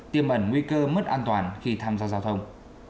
tiêm ẩn nguy cơ mất an toàn khi tham gia giao thông